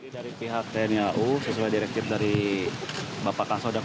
dari pihak tni au sesuai direktif dari bapak kasodak